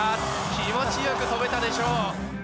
気持ちよく飛べたでしょう。